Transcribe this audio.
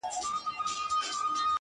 • خلک نور ژوند کوي عادي..